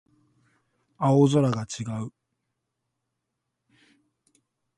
青空が違う